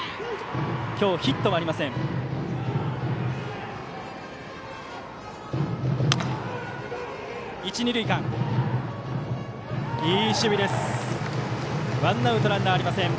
今日ヒットはありません。